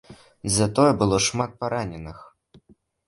Затое было шмат параненых.